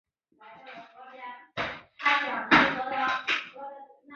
以为妹会理你